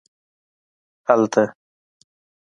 هلته